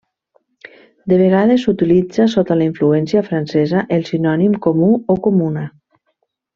De vegades s'utilitza sota la influència francesa el sinònim comú o comuna.